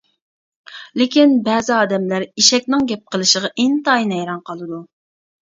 لېكىن بەزى ئادەملەر ئېشەكنىڭ گەپ قىلىشىغا ئىنتايىن ھەيران قالىدۇ.